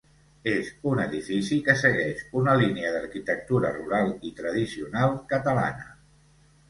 És un edifici que segueix una línia d'arquitectura rural i tradicional catalana.